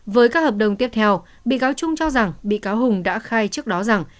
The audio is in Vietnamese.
với các hợp đồng tiếp theo bị cáo trung cho rằng bị cáo hùng đã khai trước đó rằng